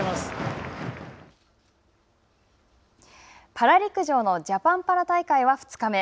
パラ陸上のジャパンパラ大会は２日目。